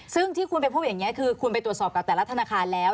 ซึ่งที่คุณไปพูดอย่างนี้คือคุณไปตรวจสอบกับแต่ละธนาคารแล้ว